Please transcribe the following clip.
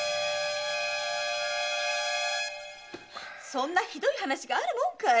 そんなひどい話があるもんかい！